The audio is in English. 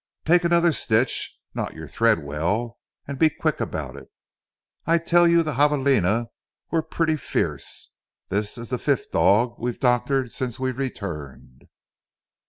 Take another stitch, knot your thread well, and be quick about it. I tell you the javeline were pretty fierce; this is the fifth dog we've doctored since we returned."